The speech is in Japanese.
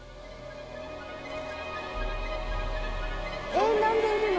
えっ何でいるの？